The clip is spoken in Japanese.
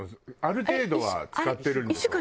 ある程度は使ってるんでしょ？